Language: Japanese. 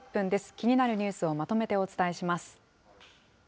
気になるニュースをまとめてお伝えします。